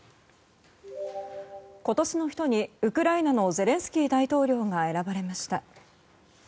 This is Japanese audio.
今年の人にウクライナのゼレンスキー大統領が選ばれました。